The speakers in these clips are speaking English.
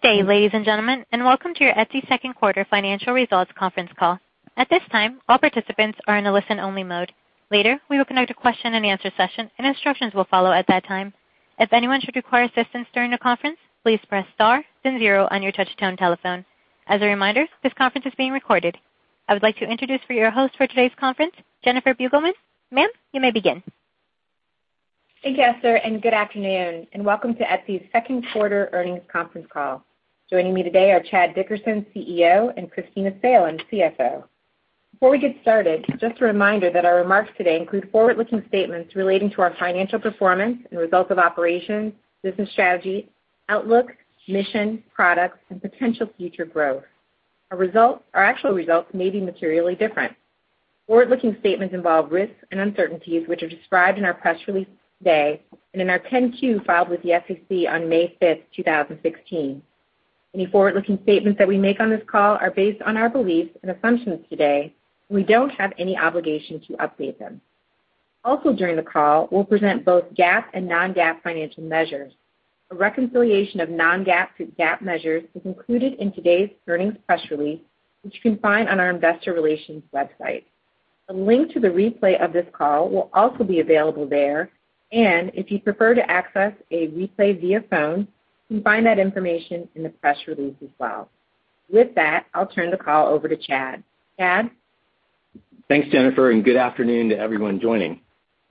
Good day, ladies and gentlemen, welcome to your Etsy second quarter financial results conference call. At this time, all participants are in a listen only mode. Later, we will conduct a question and answer session, and instructions will follow at that time. If anyone should require assistance during the conference, please press star then zero on your touchtone telephone. As a reminder, this conference is being recorded. I would like to introduce for you, your host for today's conference, Jennifer Beugelmans. Ma'am, you may begin. Thank you, Esther, good afternoon, and welcome to Etsy's second quarter earnings conference call. Joining me today are Chad Dickerson, CEO, and Kristina Salen, CFO. Before we get started, just a reminder that our remarks today include forward-looking statements relating to our financial performance and results of operations, business strategy, outlook, mission, products, and potential future growth. Our actual results may be materially different. Forward-looking statements involve risks and uncertainties, which are described in our press release today and in our 10-Q filed with the SEC on May 5th, 2016. Any forward-looking statements that we make on this call are based on our beliefs and assumptions today, we don't have any obligation to update them. Also during the call, we'll present both GAAP and non-GAAP financial measures. A reconciliation of non-GAAP to GAAP measures is included in today's earnings press release, which you can find on our investor relations website. A link to the replay of this call will also be available there, if you'd prefer to access a replay via phone, you can find that information in the press release as well. With that, I'll turn the call over to Chad. Chad? Thanks, Jennifer, good afternoon to everyone joining.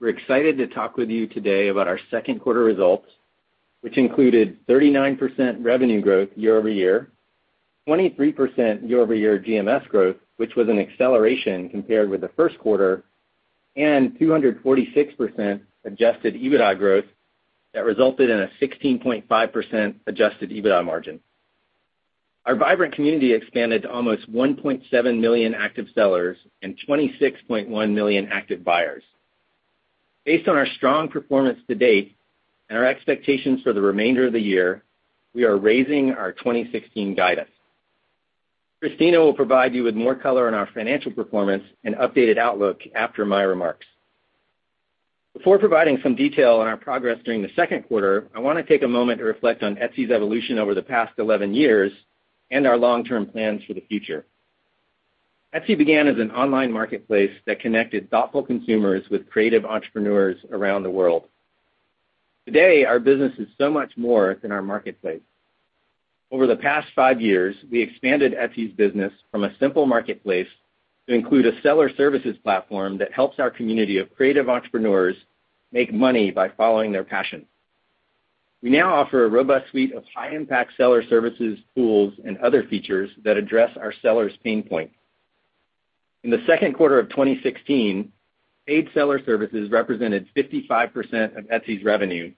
We're excited to talk with you today about our second quarter results, which included 39% revenue growth year-over-year, 23% year-over-year GMS growth, which was an acceleration compared with the first quarter, and 246% adjusted EBITDA growth that resulted in a 16.5% adjusted EBITDA margin. Our vibrant community expanded to almost 1.7 million active sellers and 26.1 million active buyers. Based on our strong performance to date and our expectations for the remainder of the year, we are raising our 2016 guidance. Kristina will provide you with more color on our financial performance and updated outlook after my remarks. Before providing some detail on our progress during the second quarter, I want to take a moment to reflect on Etsy's evolution over the past 11 years and our long-term plans for the future. Etsy began as an online marketplace that connected thoughtful consumers with creative entrepreneurs around the world. Today, our business is so much more than our marketplace. Over the past five years, we expanded Etsy's business from a simple marketplace to include a seller services platform that helps our community of creative entrepreneurs make money by following their passion. We now offer a robust suite of high impact seller services, tools, and other features that address our sellers' pain points. In the second quarter of 2016, paid seller services represented 55% of Etsy's revenue,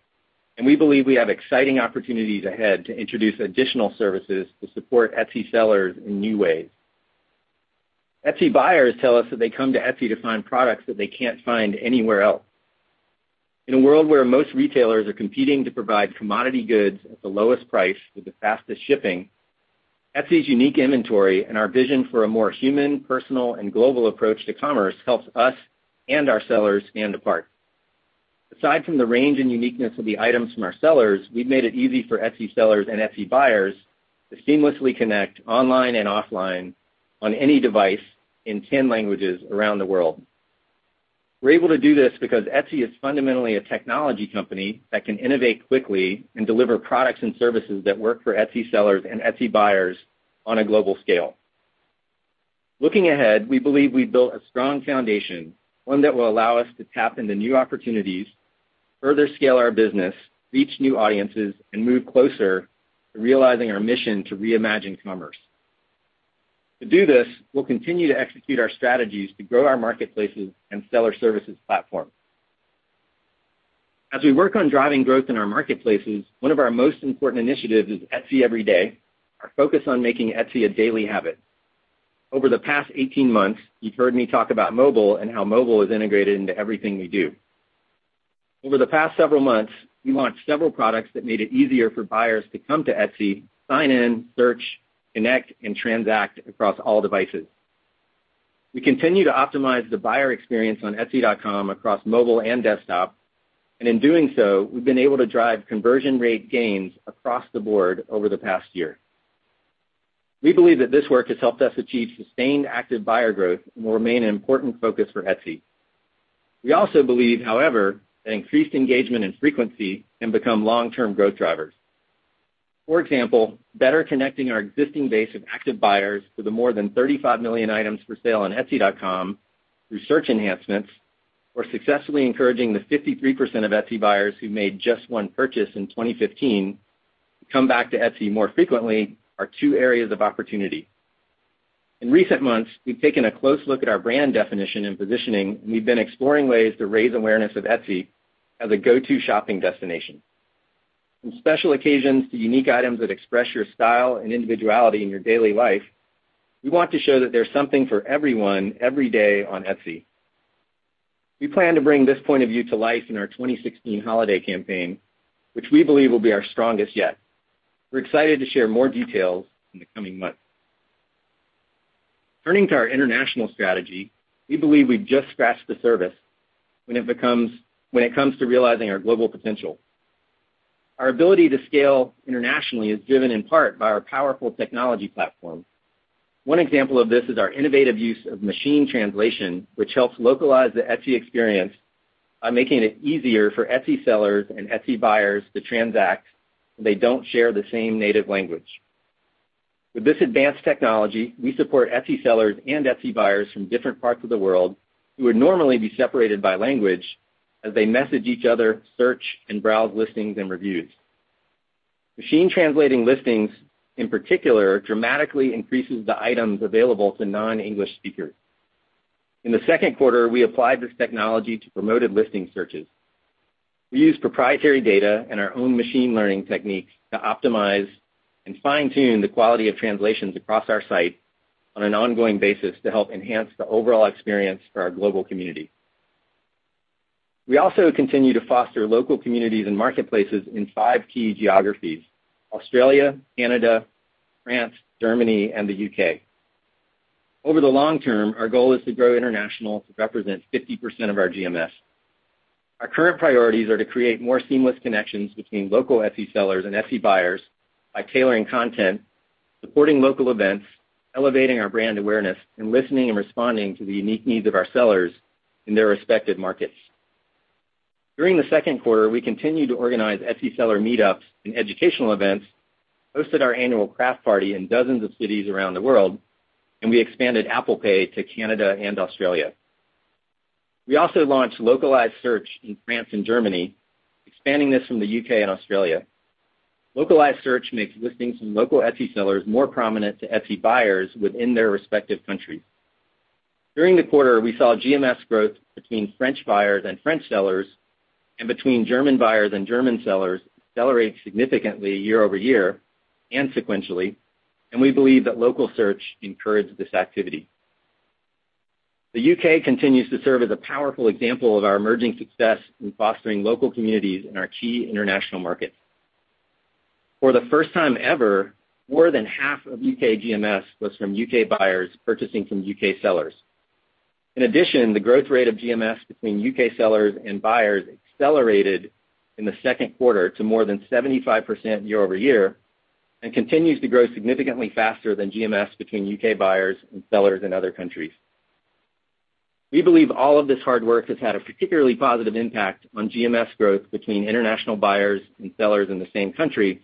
and we believe we have exciting opportunities ahead to introduce additional services to support Etsy sellers in new ways. Etsy buyers tell us that they come to Etsy to find products that they can't find anywhere else. In a world where most retailers are competing to provide commodity goods at the lowest price with the fastest shipping, Etsy's unique inventory and our vision for a more human, personal, and global approach to commerce helps us and our sellers stand apart. Aside from the range and uniqueness of the items from our sellers, we've made it easy for Etsy sellers and Etsy buyers to seamlessly connect online and offline on any device in 10 languages around the world. We're able to do this because Etsy is fundamentally a technology company that can innovate quickly and deliver products and services that work for Etsy sellers and Etsy buyers on a global scale. Looking ahead, we believe we built a strong foundation, one that will allow us to tap into new opportunities, further scale our business, reach new audiences, and move closer to realizing our mission to reimagine commerce. To do this, we'll continue to execute our strategies to grow our marketplaces and seller services platform. As we work on driving growth in our marketplaces, one of our most important initiatives is Etsy Every Day, our focus on making Etsy a daily habit. Over the past 18 months, you've heard me talk about mobile and how mobile is integrated into everything we do. Over the past several months, we launched several products that made it easier for buyers to come to Etsy, sign in, search, connect, and transact across all devices. We continue to optimize the buyer experience on etsy.com across mobile and desktop, and in doing so, we've been able to drive conversion rate gains across the board over the past year. We believe that this work has helped us achieve sustained active buyer growth and will remain an important focus for Etsy. We also believe, however, that increased engagement and frequency can become long-term growth drivers. For example, better connecting our existing base of active buyers to the more than 35 million items for sale on etsy.com through search enhancements or successfully encouraging the 53% of Etsy buyers who made just one purchase in 2015 to come back to Etsy more frequently are two areas of opportunity. In recent months, we've taken a close look at our brand definition and positioning, and we've been exploring ways to raise awareness of Etsy as a go-to shopping destination. From special occasions to unique items that express your style and individuality in your daily life, we want to show that there's something for everyone every day on Etsy. We plan to bring this point of view to life in our 2016 holiday campaign, which we believe will be our strongest yet. We're excited to share more details in the coming months. Turning to our international strategy, we believe we've just scratched the surface when it comes to realizing our global potential. Our ability to scale internationally is driven in part by our powerful technology platform. One example of this is our innovative use of machine translation, which helps localize the Etsy experience by making it easier for Etsy sellers and Etsy buyers to transact when they don't share the same native language. With this advanced technology, we support Etsy sellers and Etsy buyers from different parts of the world who would normally be separated by language as they message each other, search, and browse listings and reviews. Machine translating listings, in particular, dramatically increases the items available to non-English speakers. In the second quarter, we applied this technology to promoted listing searches. We use proprietary data and our own machine learning techniques to optimize and fine-tune the quality of translations across our site on an ongoing basis to help enhance the overall experience for our global community. We also continue to foster local communities and marketplaces in five key geographies: Australia, Canada, France, Germany, and the U.K. Over the long term, our goal is to grow international to represent 50% of our GMS. Our current priorities are to create more seamless connections between local Etsy sellers and Etsy buyers by tailoring content, supporting local events, elevating our brand awareness, listening and responding to the unique needs of our sellers in their respective markets. During the second quarter, we continued to organize Etsy seller meetups and educational events, hosted our annual craft party in dozens of cities around the world. We expanded Apple Pay to Canada and Australia. We also launched localized search in France and Germany, expanding this from the U.K. and Australia. Localized search makes listings from local Etsy sellers more prominent to Etsy buyers within their respective countries. During the quarter, we saw GMS growth between French buyers and French sellers, and between German buyers and German sellers accelerate significantly year-over-year and sequentially. We believe that local search encouraged this activity. The U.K. continues to serve as a powerful example of our emerging success in fostering local communities in our key international markets. For the first time ever, more than half of U.K. GMS was from U.K. buyers purchasing from U.K. sellers. In addition, the growth rate of GMS between U.K. sellers and buyers accelerated in the second quarter to more than 75% year-over-year, continues to grow significantly faster than GMS between U.K. buyers and sellers in other countries. We believe all of this hard work has had a particularly positive impact on GMS growth between international buyers and sellers in the same country.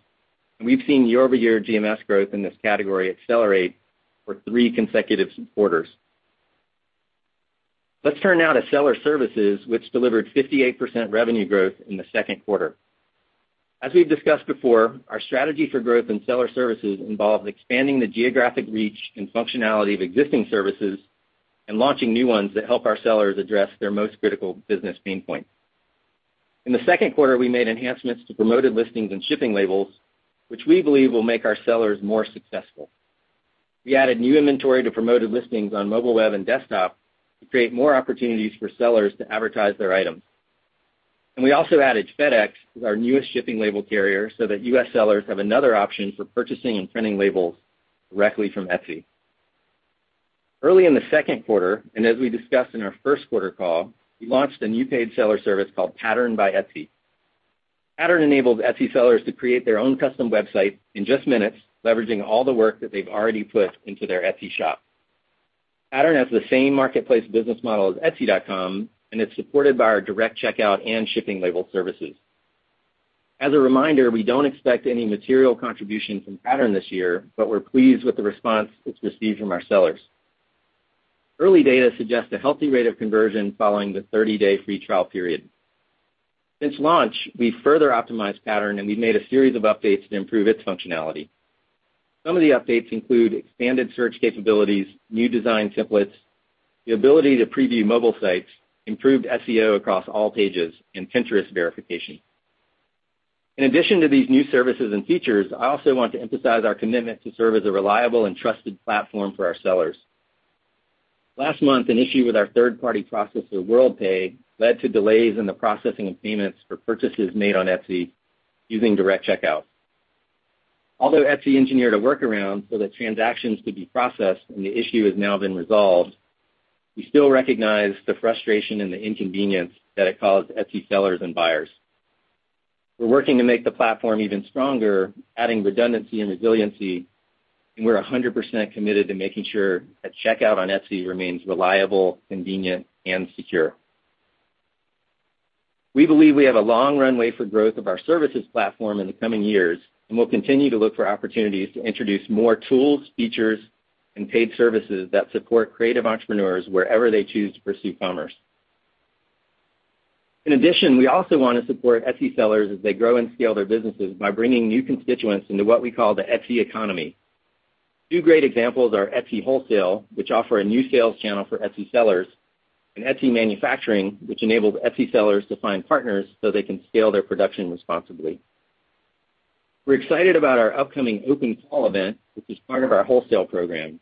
We've seen year-over-year GMS growth in this category accelerate for three consecutive quarters. Let's turn now to seller services, which delivered 58% revenue growth in the second quarter. As we've discussed before, our strategy for growth in seller services involves expanding the geographic reach and functionality of existing services and launching new ones that help our sellers address their most critical business pain points. In the second quarter, we made enhancements to Promoted Listings and Shipping Labels, which we believe will make our sellers more successful. We added new inventory to Promoted Listings on mobile web and desktop to create more opportunities for sellers to advertise their items. We also added FedEx as our newest Shipping Label carrier so that U.S. sellers have another option for purchasing and printing labels directly from Etsy. Early in the second quarter, and as we discussed in our first quarter call, we launched a new paid seller service called Pattern by Etsy. Pattern enables Etsy sellers to create their own custom website in just minutes, leveraging all the work that they've already put into their Etsy shop. Pattern has the same marketplace business model as etsy.com, it's supported by our Direct Checkout and Shipping Label services. As a reminder, we don't expect any material contribution from Pattern this year, we're pleased with the response it's received from our sellers. Early data suggests a healthy rate of conversion following the 30-day free trial period. Since launch, we've further optimized Pattern, we've made a series of updates to improve its functionality. Some of the updates include expanded search capabilities, new design templates, the ability to preview mobile sites, improved SEO across all pages, and Pinterest verification. In addition to these new services and features, I also want to emphasize our commitment to serve as a reliable and trusted platform for our sellers. Last month, an issue with our third-party processor, Worldpay, led to delays in the processing of payments for purchases made on Etsy using Direct Checkout. Although Etsy engineered a workaround so that transactions could be processed and the issue has now been resolved, we still recognize the frustration and the inconvenience that it caused Etsy sellers and buyers. We're working to make the platform even stronger, adding redundancy and resiliency, we're 100% committed to making sure that checkout on Etsy remains reliable, convenient, and secure. We believe we have a long runway for growth of our services platform in the coming years, we'll continue to look for opportunities to introduce more tools, features, and paid services that support creative entrepreneurs wherever they choose to pursue commerce. In addition, we also want to support Etsy sellers as they grow and scale their businesses by bringing new constituents into what we call the Etsy economy. Two great examples are Etsy Wholesale, which offer a new sales channel for Etsy sellers, and Etsy Manufacturing, which enables Etsy sellers to find partners so they can scale their production responsibly. We're excited about our upcoming Open Call event, which is part of our wholesale program.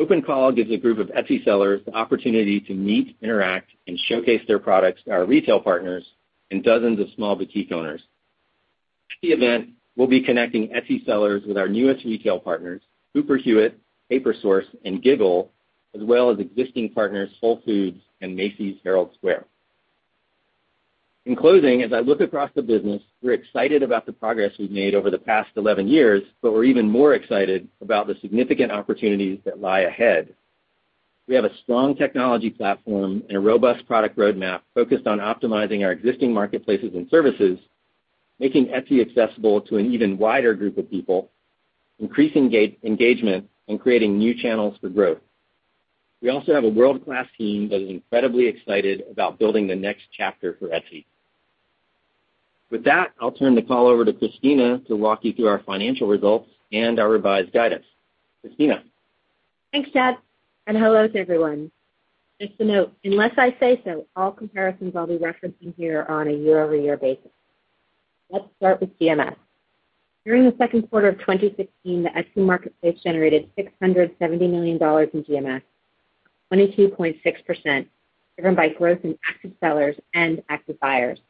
Open Call gives a group of Etsy sellers the opportunity to meet, interact, and showcase their products to our retail partners and dozens of small boutique owners. At the event, we'll be connecting Etsy sellers with our newest retail partners, Cooper Hewitt, Paper Source, and giggle, as well as existing partners Whole Foods and Macy's Herald Square. In closing, as I look across the business, we're excited about the progress we've made over the past 11 years, but we're even more excited about the significant opportunities that lie ahead. We have a strong technology platform and a robust product roadmap focused on optimizing our existing marketplaces and services, making Etsy accessible to an even wider group of people, increasing engagement, and creating new channels for growth. We also have a world-class team that is incredibly excited about building the next chapter for Etsy. With that, I'll turn the call over to Kristina to walk you through our financial results and our revised guidance. Kristina. Thanks, Chad, hello to everyone. Just to note, unless I say so, all comparisons I'll be referencing here are on a year-over-year basis. Let's start with GMS. During the second quarter of 2016, the Etsy marketplace generated $670 million in GMS, 22.6%, driven by growth in active sellers and active buyers.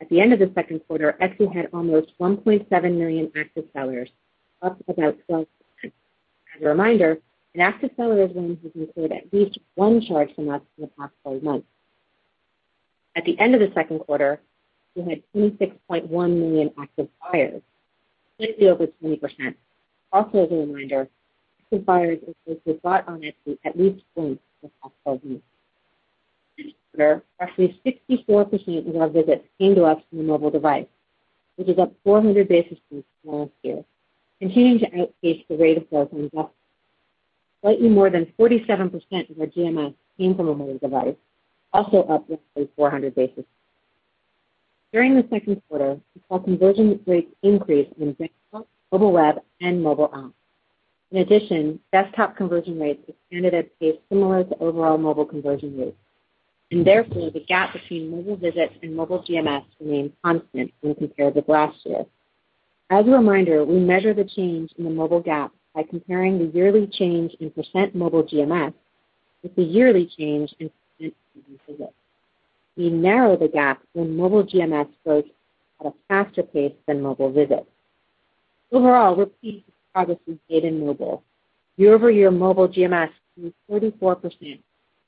At the end of the second quarter, Etsy had almost 1.7 million active sellers, up about 12%. As a reminder, an active seller is one who's included at least one charge from us in the past 12 months. At the end of the second quarter, we had 26.1 million active buyers, slightly over 20%. Also as a reminder, active buyers is those who have bought on Etsy at least once in the past 12 months. Roughly 64% of our visits came to us from a mobile device, which is up 400 basis points from last year, continuing to outpace the rate of growth on desktop. Slightly more than 47% of our GMS came from a mobile device, also up roughly 400 basis. During the second quarter, we saw conversion rates increase in both mobile web and mobile apps. In addition, desktop conversion rates expanded at a pace similar to overall mobile conversion rates, therefore, the gap between mobile visits and mobile GMS remained constant when compared to last year. As a reminder, we measure the change in the mobile gap by comparing the yearly change in % mobile GMS with the yearly change in % mobile visits. We narrow the gap when mobile GMS grows at a faster pace than mobile visits. Overall, we're pleased with the progress we've made in mobile. Year-over-year mobile GMS grew 44%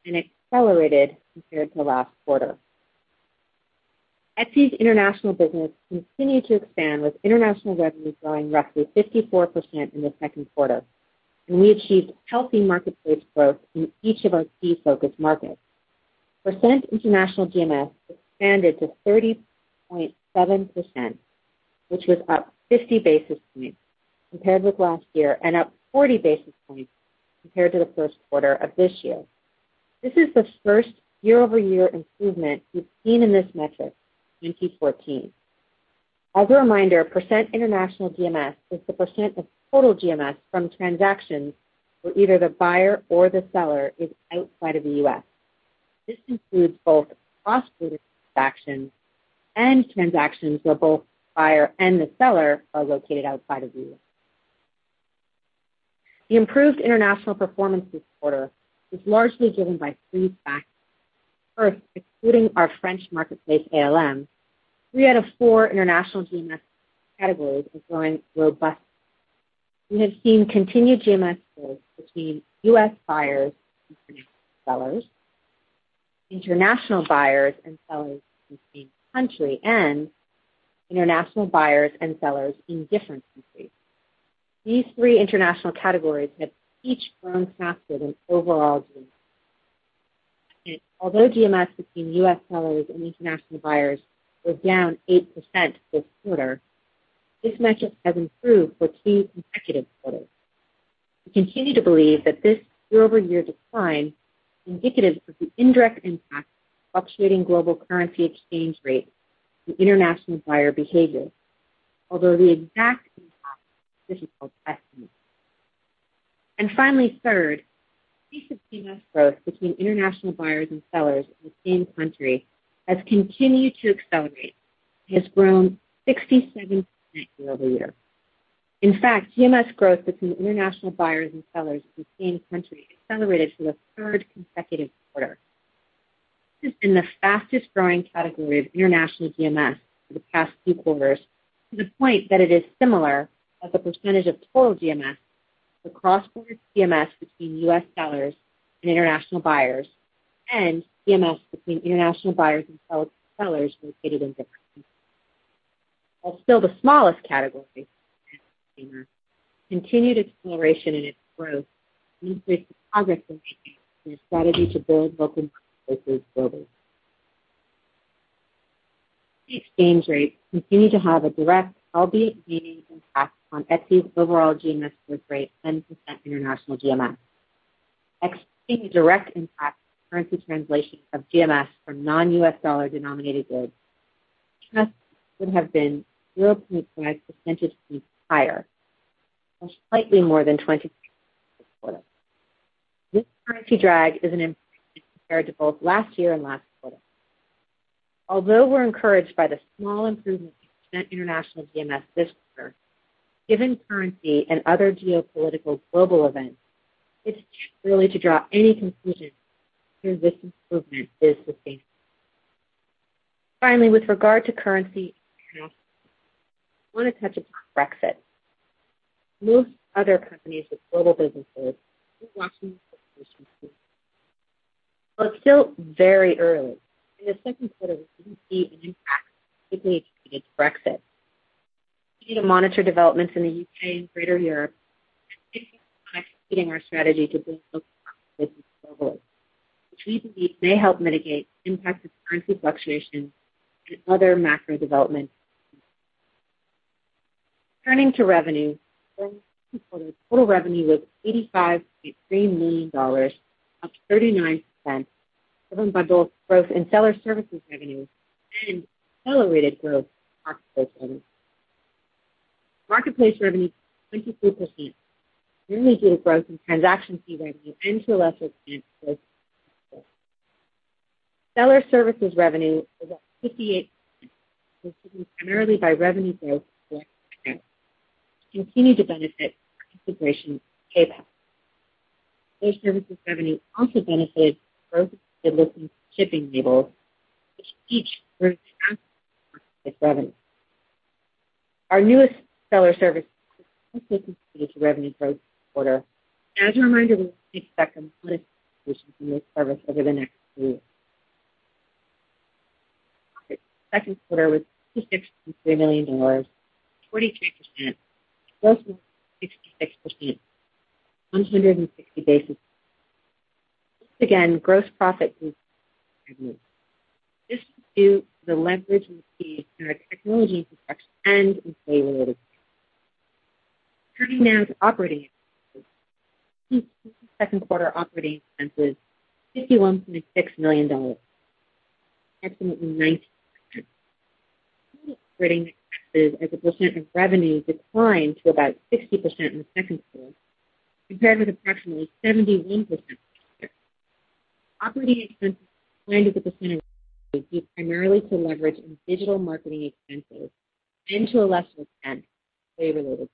and accelerated compared to last quarter. Etsy's international business continued to expand, with international revenue growing roughly 54% in the second quarter, we achieved healthy marketplace growth in each of our key focus markets. % international GMS expanded to 30.7%, which was up 50 basis points compared with last year and up 40 basis points compared to the first quarter of this year. This is the first year-over-year improvement we've seen in this metric since 2014. As a reminder, % international GMS is the % of total GMS from transactions where either the buyer or the seller is outside of the U.S. This includes both cross-border transactions and transactions where both the buyer and the seller are located outside of the U.S. The improved international performance this quarter was largely driven by three factors. First, excluding our French marketplace A Little Market, three out of four international GMS categories are growing robustly. We have seen continued GMS growth between U.S. buyers and international sellers, international buyers and sellers in the same country, and international buyers and sellers in different countries. These three international categories have each grown faster than overall GMS. Although GMS between U.S. sellers and international buyers was down 8% this quarter, this metric has improved for two consecutive quarters. We continue to believe that this year-over-year decline is indicative of the indirect impact of fluctuating global currency exchange rates and international buyer behavior. Although the exact impact is difficult to estimate. Finally, third, piece of GMS growth between international buyers and sellers in the same country has continued to accelerate. It has grown 67% year-over-year. In fact, GMS growth between international buyers and sellers in the same country accelerated for the third consecutive quarter. This has been the fastest-growing category of international GMS for the past two quarters, to the point that it is similar as a percentage of total GMS to cross-border GMS between U.S. sellers and international buyers and GMS between international buyers and sellers located in different countries. While still the smallest category of international GMS, continued acceleration in its growth demonstrates the progress we're making in our strategy to build local marketplaces globally. The exchange rates continue to have a direct, albeit gaining, impact on Etsy's overall GMS growth rate and percent international GMS. Excluding the direct impact of currency translation of GMS from non-U.S. dollar denominated goods, GMS would have been 0.5 percentage points higher, or slightly more than 20% this quarter. This currency drag is an improvement compared to both last year and last quarter. Although we're encouraged by the small improvement in percent international GMS this quarter Given currency and other geopolitical global events, it's too early to draw any conclusions whether this improvement is sustained. Finally, with regard to currency and macro, I want to touch upon Brexit. Like most other companies with global businesses, we're watching the situation closely. While it's still very early, in the second quarter, we didn't see an impact specifically related to Brexit. We'll continue to monitor developments in the U.K. and greater Europe, and this is why we're keeping our strategy to build local businesses globally, which we believe may help mitigate the impact of currency fluctuations and other macro developments going forward. Turning to revenue, during the second quarter, total revenue was $85.3 million, up 39%, driven by both growth in seller services revenue and accelerated growth in marketplace revenue. Marketplace revenue grew 23%, mainly due to growth in transaction fee revenue, and to a lesser extent, growth in marketplace revenue. Seller services revenue was up 58%, driven primarily by revenue growth from Etsy Ads, which continue to benefit from our integration with PayPal. Seller services revenue also benefited from growth in fulfillment and Shipping Labels, which each grew faster than marketplace revenue. Our newest seller service, [Pattern], contributed to revenue growth this quarter. As a reminder, we expect significant contributions from this service over the next few years. Operating profit in the second quarter was [$56.3 million], up 43%, or gross margin of 66%, up 160 basis points. Once again, gross profit improved as a percent of revenue. This was due to the leverage we see in our technology infrastructure and employee-related expenses. Turning now to operating expenses. Second quarter operating expenses, $51.6 million, up approximately 19%. Operating expenses as a percent of revenue declined to about 60% in the second quarter, compared with approximately 71% last year. Operating expenses declined as a percent of revenue due primarily to leverage in digital marketing expenses and to a lesser extent, employee-related expenses.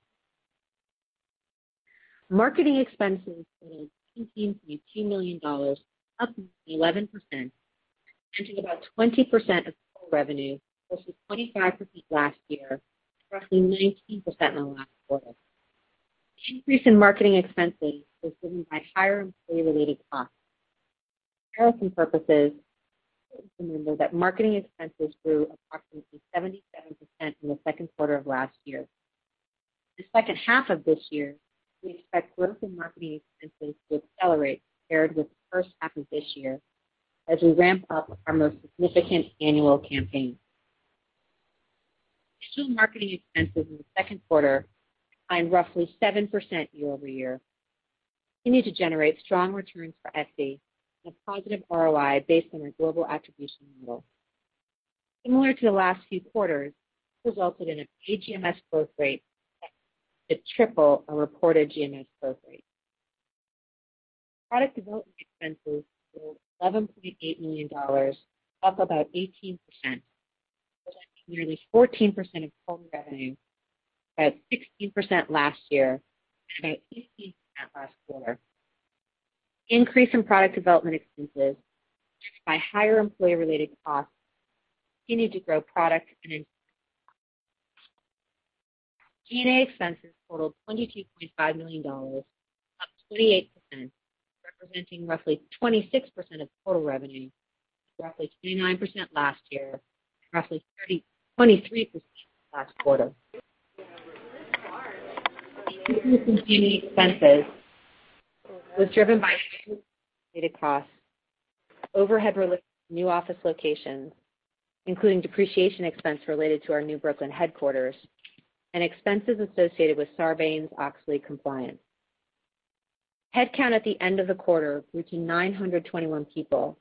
Marketing expenses totaled $18.2 million, up 11%, and to about 20% of total revenue, versus 25% last year, and roughly 19% in the last quarter. The increase in marketing expenses was driven by higher employee-related costs. For comparison purposes, it's important to remember that marketing expenses grew approximately 77% in the second quarter of last year. In the second half of this year, we expect growth in marketing expenses to accelerate compared with the first half of this year as we ramp up our most significant annual campaign. Digital marketing expenses in the second quarter declined roughly 7% year-over-year, continuing to generate strong returns for Etsy and a positive ROI based on our global attribution model. Similar to the last few quarters, this resulted in a paid GMS growth rate that was more than triple our reported GMS growth rate. Product development expenses were $11.8 million, up about 18%, representing nearly 14% of total revenue, compared to 16% last year and 18% last quarter. The increase in product development expenses was driven by higher employee-related costs, overhead related to new office locations, including depreciation expense related to our new Brooklyn headquarters, and expenses associated with Sarbanes-Oxley compliance. Headcount at the end of the quarter reached 921 people,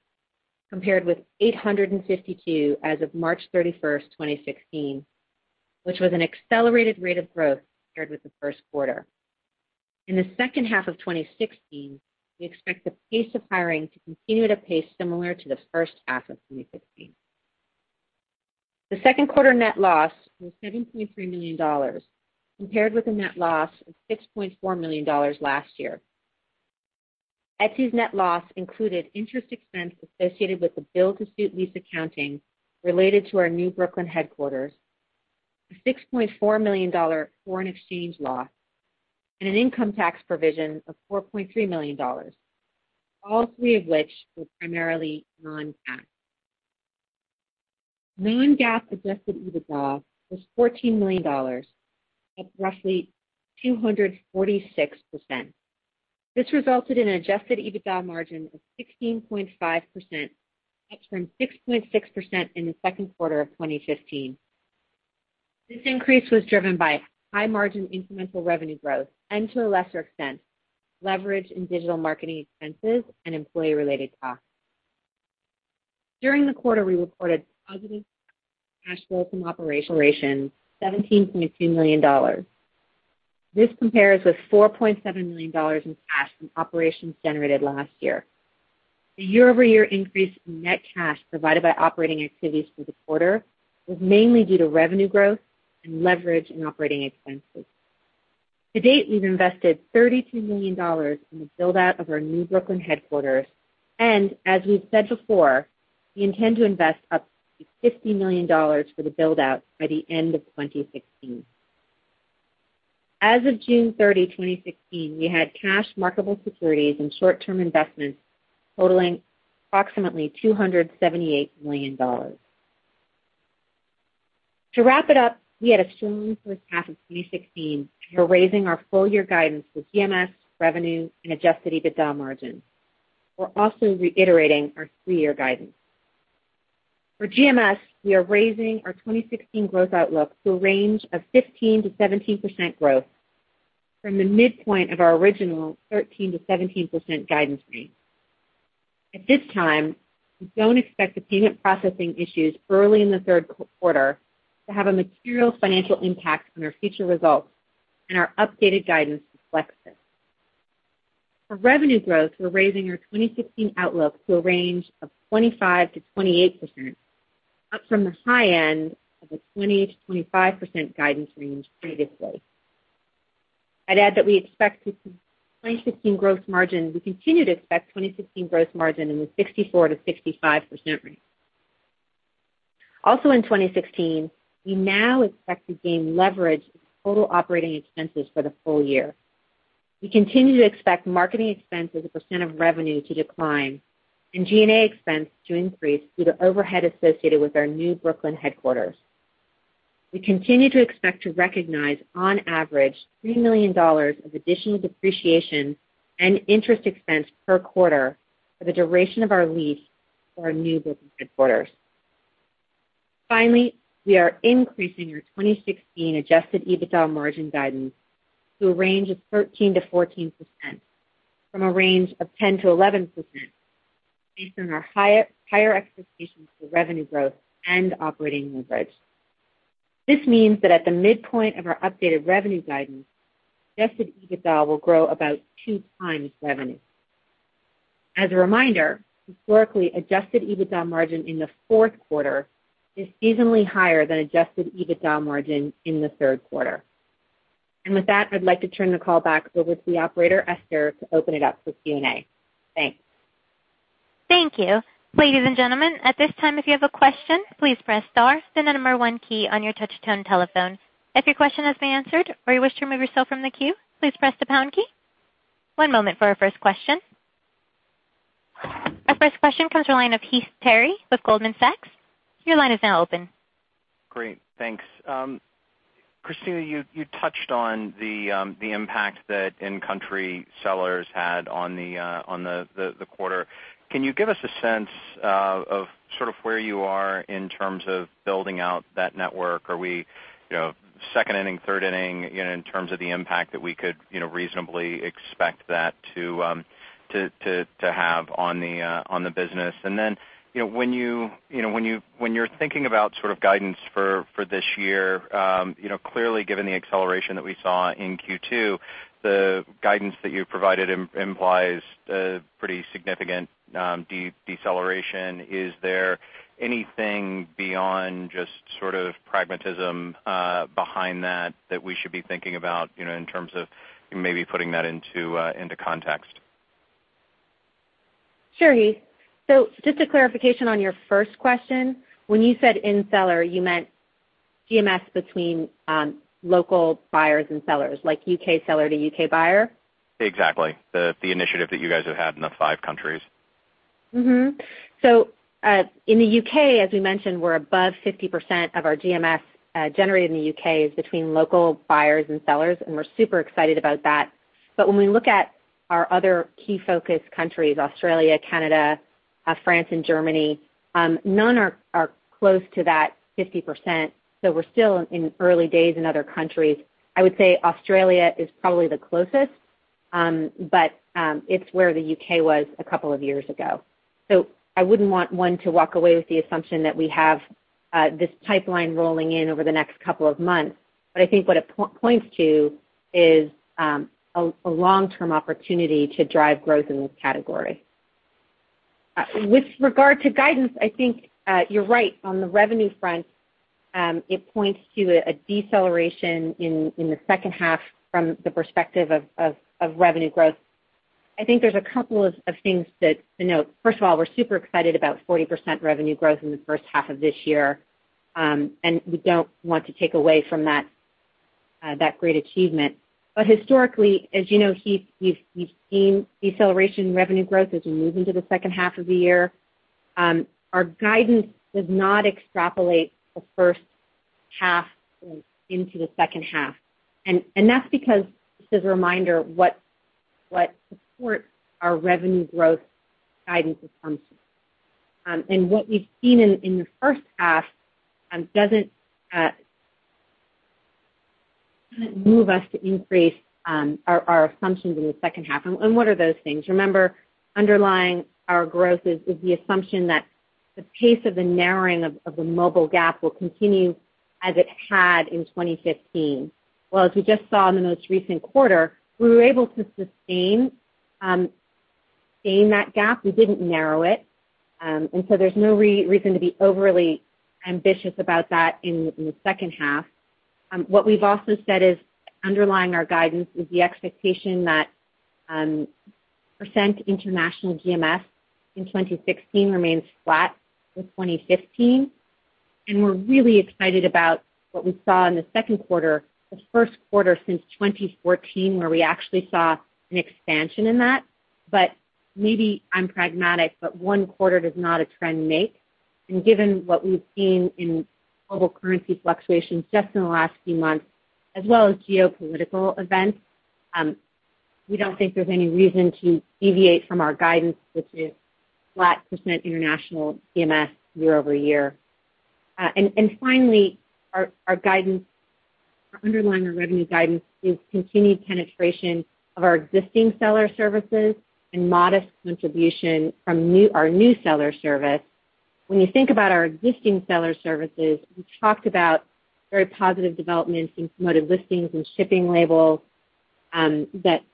compared with 852 as of March 31st, 2016, which was an accelerated rate of growth compared with the first quarter. In the second half of 2016, we expect the pace of hiring to continue at a pace similar to the first half of 2016. The second quarter net loss was $7.3 million, compared with a net loss of $6.4 million last year. Etsy's net loss included interest expense associated with the build-to-suit lease accounting related to our new Brooklyn headquarters, a $6.4 million foreign exchange loss, and an income tax provision of $4.3 million, all three of which were primarily non-cash. Non-GAAP adjusted EBITDA was $14 million, up roughly 246%. This resulted in an adjusted EBITDA margin of 16.5%, up from 6.6% in the second quarter of 2015. This increase was driven by high-margin incremental revenue growth, and to a lesser extent, leverage in digital marketing expenses and employee-related costs. During the quarter, we reported positive cash flow from operations of $17.2 million. This compares with $4.7 million in cash from operations generated last year. The year-over-year increase in net cash provided by operating activities for the quarter was mainly due to revenue growth and leverage in operating expenses. To date, we've invested $32 million in the build-out of our new Brooklyn headquarters, and as we've said before, we intend to invest up to $50 million for the build-out by the end of 2016. As of June 30, 2016, we had cash marketable securities and short-term investments totaling approximately $278 million. To wrap it up, we had a strong first half of 2016. We're raising our full-year guidance for GMS, revenue, and adjusted EBITDA margins. We're also reiterating our three-year guidance. For GMS, we are raising our 2016 growth outlook to a range of 15%-17% growth from the midpoint of our original 13%-17% guidance range. At this time, we don't expect the payment processing issues early in the third quarter to have a material financial impact on our future results, and our updated guidance reflects this. For revenue growth, we're raising our 2016 outlook to a range of 25%-28%, up from the high end of the 20%-25% guidance range previously. I'd add that we continue to expect 2016 gross margin in the 64%-65% range. Also in 2016, we now expect to gain leverage in total operating expenses for the full year. We continue to expect marketing expense as a percent of revenue to decline and G&A expense to increase due to overhead associated with our new Brooklyn headquarters. We continue to expect to recognize, on average, $3 million of additional depreciation and interest expense per quarter for the duration of our lease for our new Brooklyn headquarters. Finally, we are increasing our 2016 adjusted EBITDA margin guidance to a range of 13%-14%, from a range of 10%-11%, based on our higher expectations for revenue growth and operating leverage. This means that at the midpoint of our updated revenue guidance, adjusted EBITDA will grow about two times revenue. As a reminder, historically, adjusted EBITDA margin in the fourth quarter is seasonally higher than adjusted EBITDA margin in the third quarter. With that, I'd like to turn the call back over to the operator, Esther, to open it up for Q&A. Thanks. Thank you. Ladies and gentlemen, at this time, if you have a question, please press star then the 1 key on your touch-tone telephone. If your question has been answered or you wish to remove yourself from the queue, please press the pound key. One moment for our first question. Our first question comes from the line of Heath Terry with Goldman Sachs. Your line is now open. Great, thanks. Kristina, you touched on the impact that in-country sellers had on the quarter. Can you give us a sense of where you are in terms of building out that network? Are we second inning, third inning in terms of the impact that we could reasonably expect that to have on the business? When you're thinking about guidance for this year, clearly given the acceleration that we saw in Q2, the guidance that you provided implies a pretty significant deceleration. Is there anything beyond just pragmatism behind that that we should be thinking about in terms of maybe putting that into context? Sure, Heath. Just a clarification on your first question. When you said in-country seller, you meant GMS between local buyers and sellers, like U.K. seller to U.K. buyer? Exactly. The initiative that you guys have had in the five countries. In the U.K., as we mentioned, we're above 50% of our GMS generated in the U.K. is between local buyers and sellers, and we're super excited about that. When we look at our other key focus countries, Australia, Canada, France, and Germany, none are close to that 50%, we're still in early days in other countries. I would say Australia is probably the closest, but it's where the U.K. was a couple of years ago. I wouldn't want one to walk away with the assumption that we have this pipeline rolling in over the next couple of months. I think what it points to is a long-term opportunity to drive growth in this category. With regard to guidance, I think you're right. On the revenue front, it points to a deceleration in the second half from the perspective of revenue growth. I think there's a couple of things to note. First of all, we're super excited about 40% revenue growth in the first half of this year, we don't want to take away from that great achievement. Historically, as you know, Heath, we've seen deceleration in revenue growth as we move into the second half of the year. Our guidance does not extrapolate the first half into the second half, that's because, just as a reminder, what supports our revenue growth guidance assumptions. What we've seen in the first half doesn't move us to increase our assumptions in the second half. What are those things? Remember, underlying our growth is the assumption that the pace of the narrowing of the mobile gap will continue as it had in 2015. Well, as we just saw in the most recent quarter, we were able to sustain that gap. We didn't narrow it. There's no reason to be overly ambitious about that in the second half. What we've also said is underlying our guidance is the expectation that percent international GMS in 2016 remains flat with 2015, we're really excited about what we saw in the second quarter, the first quarter since 2014, where we actually saw an expansion in that. Maybe I'm pragmatic, but one quarter does not a trend make. Given what we've seen in global currency fluctuations just in the last few months, as well as geopolitical events, we don't think there's any reason to deviate from our guidance, which is flat percent international GMS year-over-year. Finally, our underlying revenue guidance is continued penetration of our existing seller services and modest contribution from our new seller service. When you think about our existing seller services, we talked about very positive developments in Promoted Listings and Shipping Labels that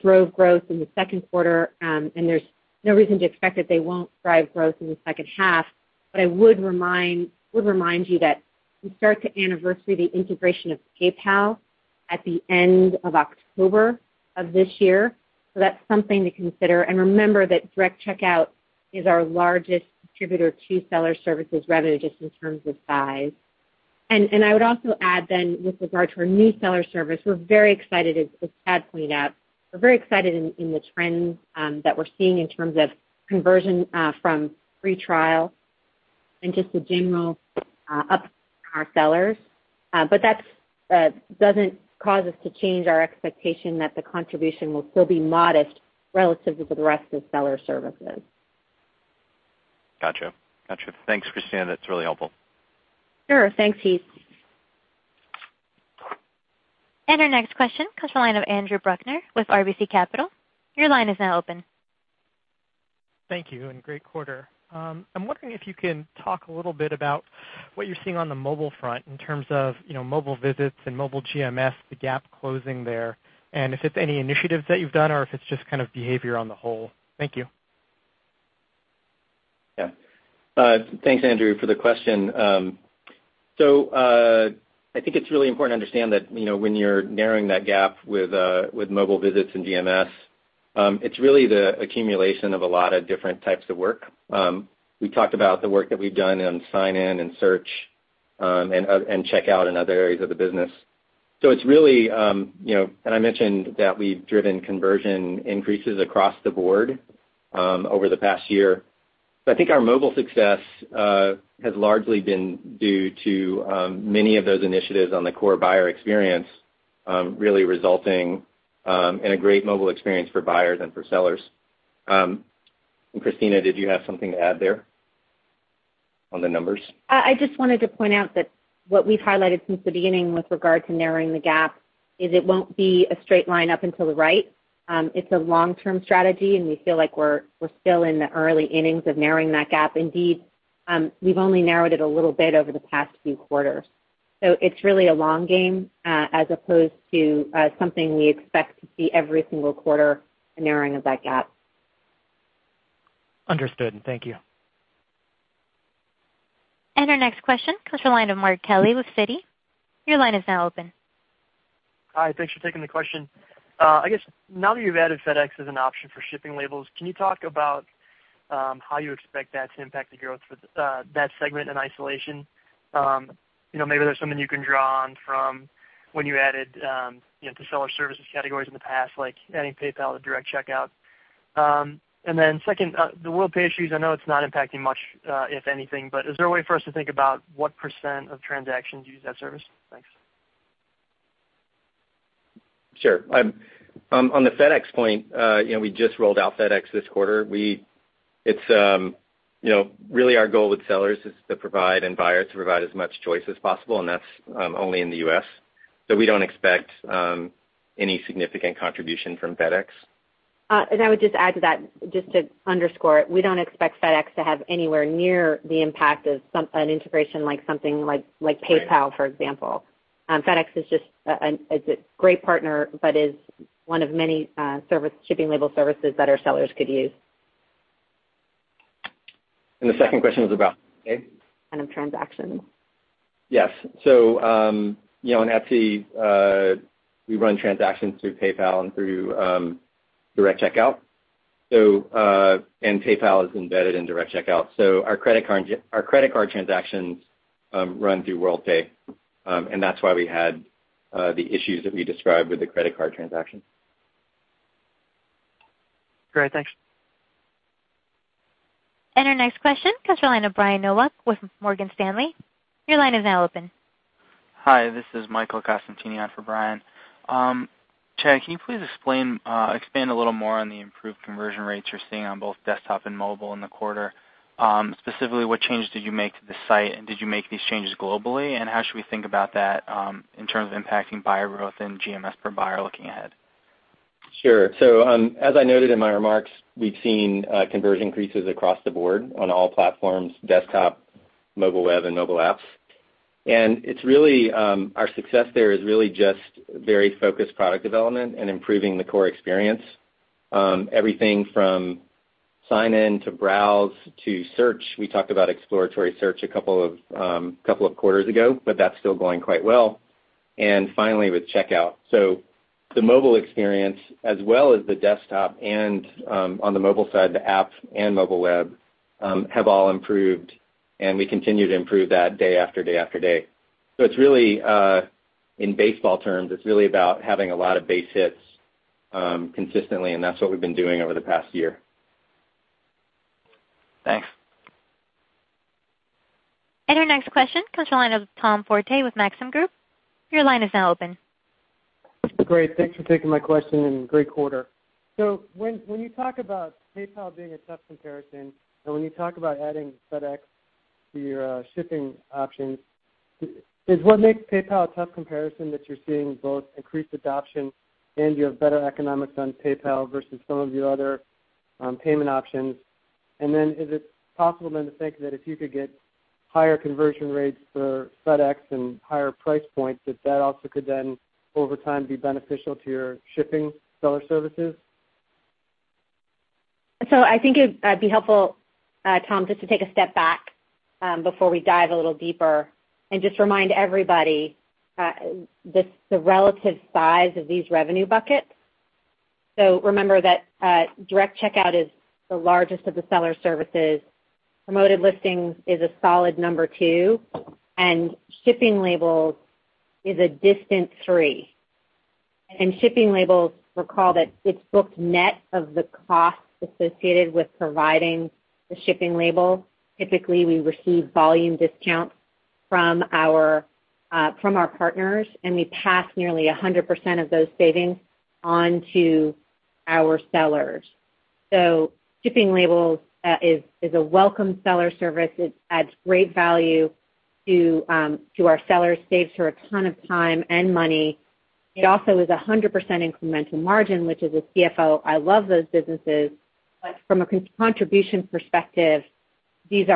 drove growth in the second quarter, there's no reason to expect that they won't drive growth in the second half. I would remind you that we start to anniversary the integration of PayPal at the end of October of this year. That's something to consider. Remember that Direct Checkout is our largest contributor to seller services revenue, just in terms of size. I would also add then with regard to our new seller service, as Chad pointed out, we're very excited in the trends that we're seeing in terms of conversion from free trial and just a general up our sellers. That doesn't cause us to change our expectation that the contribution will still be modest relative to the rest of the seller services. Got you. Thanks, Kristina. That's really helpful. Sure. Thanks, Heath. Our next question comes the line of Andrew Bruckner with RBC Capital. Your line is now open. Thank you, and great quarter. I'm wondering if you can talk a little bit about what you're seeing on the mobile front in terms of mobile visits and mobile GMS, the gap closing there, and if it's any initiatives that you've done or if it's just behavior on the whole. Thank you. Yeah. Thanks, Andrew, for the question. I think it's really important to understand that when you're narrowing that gap with mobile visits and GMS, it's really the accumulation of a lot of different types of work. We talked about the work that we've done on sign-in and search, and checkout and other areas of the business. I mentioned that we've driven conversion increases across the board over the past year. I think our mobile success has largely been due to many of those initiatives on the core buyer experience, really resulting in a great mobile experience for buyers and for sellers. Kristina, did you have something to add there on the numbers? I just wanted to point out that what we've highlighted since the beginning with regard to narrowing the gap is it won't be a straight line up and to the right. It's a long-term strategy. We feel like we're still in the early innings of narrowing that gap. Indeed, we've only narrowed it a little bit over the past few quarters. It's really a long game, as opposed to something we expect to see every single quarter, a narrowing of that gap. Understood. Thank you. Our next question comes to the line of Mark Kelley with Citi. Your line is now open. Hi, thanks for taking the question. I guess now that you've added FedEx as an option for Shipping Labels, can you talk about how you expect that to impact the growth for that segment in isolation? Maybe there's something you can draw on from when you added seller services categories in the past, like adding PayPal to Direct Checkout. Then second, the Worldpay issues, I know it's not impacting much, if anything, but is there a way for us to think about what % of transactions use that service? Thanks. Sure. On the FedEx point, we just rolled out FedEx this quarter. Really our goal with sellers and buyers is to provide as much choice as possible, and that's only in the U.S. We don't expect any significant contribution from FedEx. I would just add to that, just to underscore it, we don't expect FedEx to have anywhere near the impact of an integration like something like PayPal, for example. FedEx is a great partner, but is one of many Shipping Labels services that our sellers could use. The second question was about? Kind of transactions. Yes. On Etsy, we run transactions through PayPal and through Direct Checkout. PayPal is embedded in Direct Checkout. Our credit card transactions run through Worldpay, and that's why we had the issues that we described with the credit card transactions. Great. Thanks. Our next question comes to the line of Brian Nowak with Morgan Stanley. Your line is now open. Hi, this is Michael Costantini on for Brian. Chad, can you please expand a little more on the improved conversion rates you're seeing on both desktop and mobile in the quarter? Specifically, what changes did you make to the site, did you make these changes globally? How should we think about that in terms of impacting buyer growth and GMS per buyer looking ahead? Sure. As I noted in my remarks, we've seen conversion increases across the board on all platforms, desktop, mobile web, and mobile apps. Our success there is really just very focused product development and improving the core experience. Everything from sign-in to browse to search. We talked about exploratory search a couple of quarters ago, but that's still going quite well. Finally, with checkout. The mobile experience, as well as the desktop and on the mobile side, the app and mobile web, have all improved, and we continue to improve that day after day after day. In baseball terms, it's really about having a lot of base hits consistently, and that's what we've been doing over the past year. Thanks. Our next question comes to the line of Tom Forte with Maxim Group, your line is now open. Great. Thanks for taking my question and great quarter. When you talk about PayPal being a tough comparison, and when you talk about adding FedEx to your shipping options, is what makes PayPal a tough comparison that you're seeing both increased adoption and you have better economics on PayPal versus some of your other payment options? Is it possible then to think that if you could get higher conversion rates for FedEx and higher price points, that that also could then over time be beneficial to your shipping seller services? I think it'd be helpful, Tom Forte, just to take a step back before we dive a little deeper and just remind everybody the relative size of these revenue buckets. Remember that Direct Checkout is the largest of the seller services. Promoted Listings is a solid number two, and Shipping Labels is a distant three. Shipping Labels, recall that it's booked net of the costs associated with providing the shipping label. Typically, we receive volume discounts from our partners, and we pass nearly 100% of those savings on to our sellers. Shipping Labels is a welcome seller service. It adds great value to our sellers, saves her a ton of time and money. It also is 100% incremental margin, which as a CFO, I love those businesses, but from a contribution perspective, the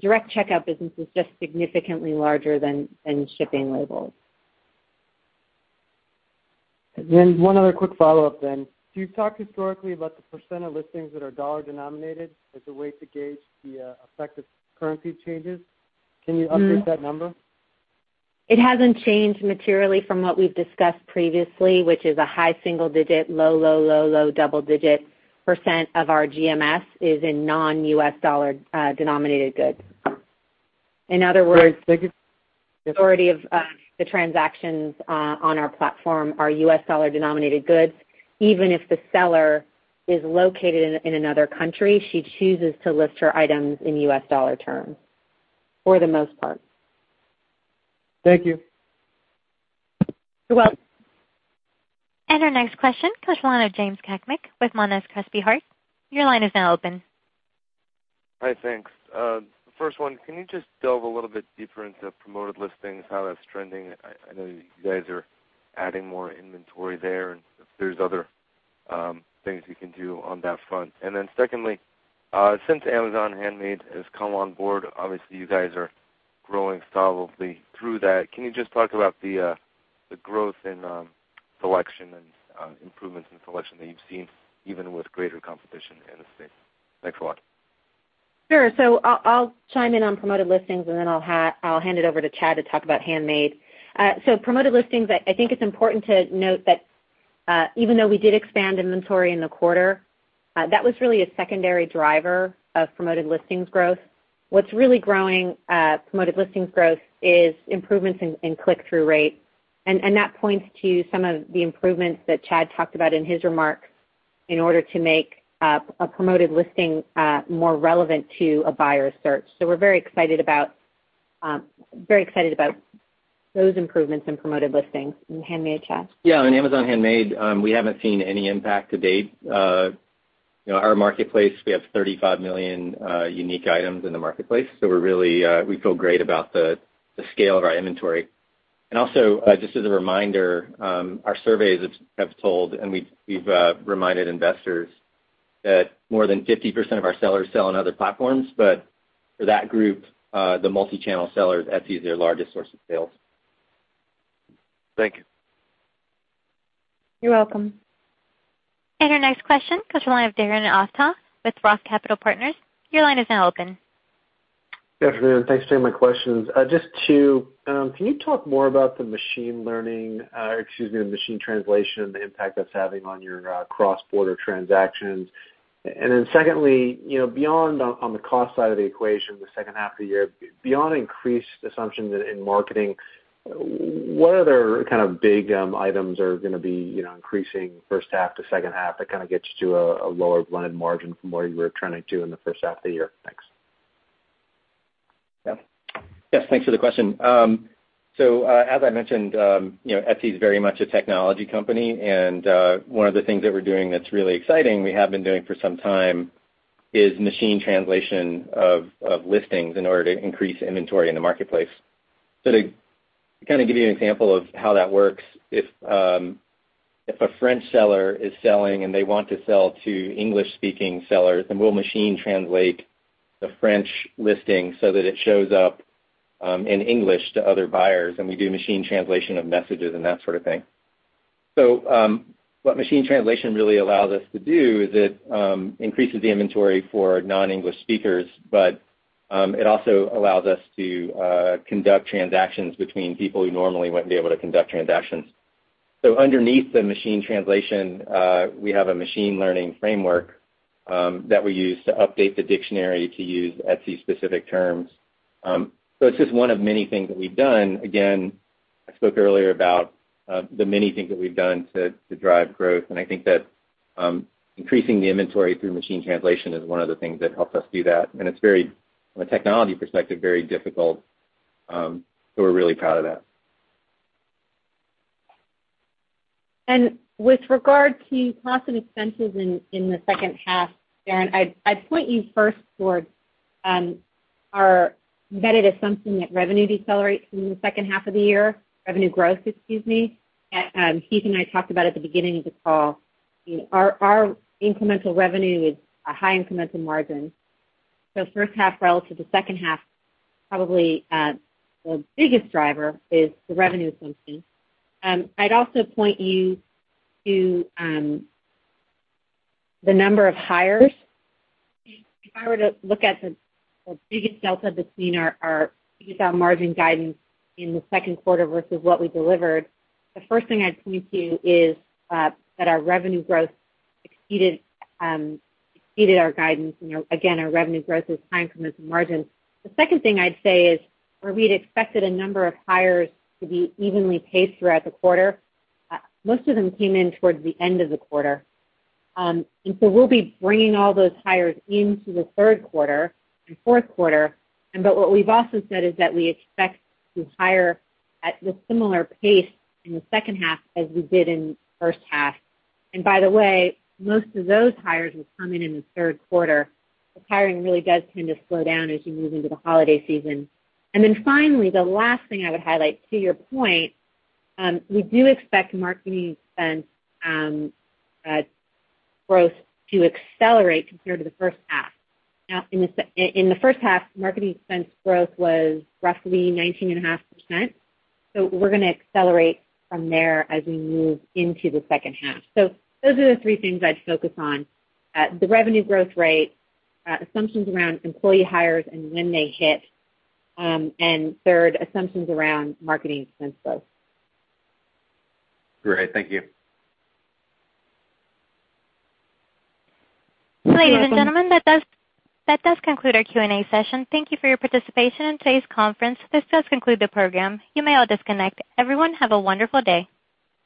Direct Checkout business is just significantly larger than Shipping Labels. One other quick follow-up then. You've talked historically about the % of listings that are dollar-denominated as a way to gauge the effect of currency changes. Can you update that number? It hasn't changed materially from what we've discussed previously, which is a high single digit, low double digit % of our GMS is in non-U.S. dollar-denominated goods. In other words, the majority of the transactions on our platform are U.S. dollar-denominated goods. Even if the seller is located in another country, she chooses to list her items in U.S. dollar terms, for the most part. Thank you. You're welcome. Our next question comes from the line of James Cakmak with Monness Crespi Hardt. Your line is now open. Hi. Thanks. First one, can you just delve a little bit deeper into Promoted Listings, how that's trending? I know you guys are adding more inventory there, if there's other things you can do on that front. Secondly, since Amazon Handmade has come on board, obviously you guys are growing solidly through that. Can you just talk about the growth in selection and improvements in selection that you've seen, even with greater competition in the space? Thanks a lot. Sure. I'll chime in on Promoted Listings, then I'll hand it over to Chad to talk about Handmade. Promoted Listings, I think it's important to note that, even though we did expand inventory in the quarter, that was really a secondary driver of Promoted Listings growth. What's really growing Promoted Listings growth is improvements in click-through rate. That points to some of the improvements that Chad talked about in his remarks in order to make a Promoted Listing more relevant to a buyer's search. We're very excited about those improvements in Promoted Listings and Handmade. Chad? On Amazon Handmade, we haven't seen any impact to date. In our marketplace, we have 35 million unique items in the marketplace. We feel great about the scale of our inventory. Also, just as a reminder, our surveys have told, and we've reminded investors that more than 50% of our sellers sell on other platforms. For that group, the multi-channel sellers, Etsy is their largest source of sales. Thank you. You're welcome. Our next question comes from the line of Darren Aftahi with ROTH Capital Partners. Your line is now open. Good afternoon. Thanks for taking my questions. Can you talk more about the machine learning, excuse me, the machine translation and the impact that's having on your cross-border transactions? Secondly, on the cost side of the equation, the second half of the year. Beyond increased assumption in marketing, what other kind of big items are going to be increasing first half to second half that kind of gets you a lower blended margin from where you were trending to in the first half of the year? Thanks. Yes. Thanks for the question. As I mentioned, Etsy's very much a technology company, One of the things that we're doing that's really exciting, we have been doing for some time, is machine translation of listings in order to increase inventory in the marketplace. To kind of give you an example of how that works, if a French seller is selling and they want to sell to English-speaking buyers, then we'll machine translate the French listing so that it shows up in English to other buyers, and we do machine translation of messages and that sort of thing. What machine translation really allows us to do is it increases the inventory for non-English speakers, but it also allows us to conduct transactions between people who normally wouldn't be able to conduct transactions. Underneath the machine translation, we have a machine learning framework that we use to update the dictionary to use Etsy-specific terms. It's just one of many things that we've done. Again, I spoke earlier about the many things that we've done to drive growth, I think that increasing the inventory through machine translation is one of the things that helps us do that. It's, from a technology perspective, very difficult. We're really proud of that. With regard to costs and expenses in the second half, Darren, I'd point you first towards our embedded assumption that revenue decelerates in the second half of the year. Revenue growth, excuse me. Heath and I talked about at the beginning of the call, our incremental revenue is a high incremental margin. First half relative to second half, probably the biggest driver is the revenue assumption. I'd also point you to the number of hires. If I were to look at the biggest delta between our EBITDA margin guidance in the second quarter versus what we delivered, the first thing I'd point to is that our revenue growth exceeded our guidance. Our revenue growth is high incremental margin. The second thing I'd say is where we had expected a number of hires to be evenly paced throughout the quarter, most of them came in towards the end of the quarter. We'll be bringing all those hires into the third quarter and fourth quarter. What we've also said is that we expect to hire at a similar pace in the second half as we did in the first half. By the way, most of those hires will come in in the third quarter. The hiring really does tend to slow down as you move into the holiday season. Finally, the last thing I would highlight, to your point, we do expect marketing expense growth to accelerate compared to the first half. In the first half, marketing expense growth was roughly 19.5%. We're going to accelerate from there as we move into the second half. Those are the three things I'd focus on. The revenue growth rate, assumptions around employee hires and when they hit, and third, assumptions around marketing expense growth. Great. Thank you. You're welcome. Ladies and gentlemen, that does conclude our Q&A session. Thank you for your participation in today's conference. This does conclude the program. You may all disconnect. Everyone, have a wonderful day.